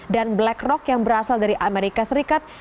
dan blackrock yang berasal dari amerika serikat